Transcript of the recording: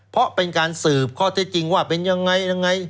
เพราะเป็นการสืบข้อเท็จจริงว่าเป็นยังไงยังไง